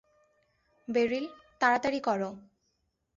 Beryl, তাড়াতাড়ি কর।